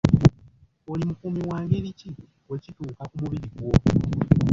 Oli mukuumi wa ngeri ki bwe kituuka ku mubiri gwo?